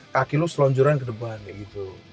kaki lu selonjuran ke depan kayak gitu